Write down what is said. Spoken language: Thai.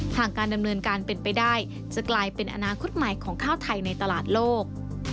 หากการดำเนินการเป็นไปได้จะกลายเป็นอนาคตใหม่ของข้าวไทยในตลาดโลก